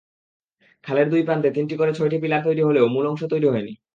খালের দুই প্রান্তে তিনটি করে ছয়টি পিলার তৈরি হলেও মূল অংশ তৈরি হয়নি।